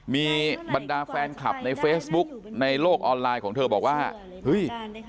มีบรรดาแฟนคลับในเฟซบุ๊กในโลกออนไลน์ของเธอบอกว่าเฮ้ย